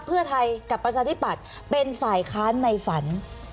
เพื่อไทยกับประชาธิปัตย์เป็นฝ่ายค้านในฝัน